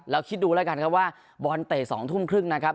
คิดดูแล้วกันครับว่าบอลเตะ๒ทุ่มครึ่งนะครับ